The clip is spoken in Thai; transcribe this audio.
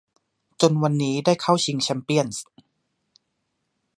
จนวันนี้ได้เข้าชิงแชมเปี้ยนส์